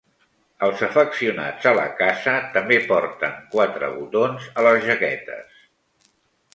Els afeccionats a la caça també porten quatre botons a les jaquetes.